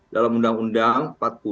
dalam undang undang empat puluh lima